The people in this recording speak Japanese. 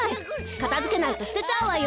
かたづけないとすてちゃうわよ。